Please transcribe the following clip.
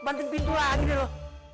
ya banting pintu lagi deh loh